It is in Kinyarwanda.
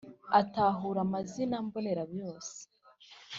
atahura amazina mbonerayose